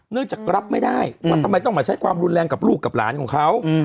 จากรับไม่ได้ว่าทำไมต้องมาใช้ความรุนแรงกับลูกกับหลานของเขา